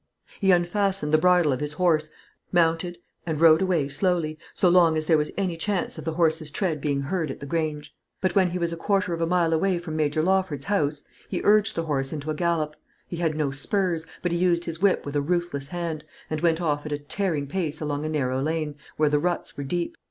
He unfastened the bridle of his horse, mounted, and rode away slowly, so long as there was any chance of the horse's tread being heard at the Grange. But when he was a quarter of a mile away from Major Lawford's house, he urged the horse into a gallop. He had no spurs; but he used his whip with a ruthless hand, and went off at a tearing pace along a narrow lane, where the ruts were deep.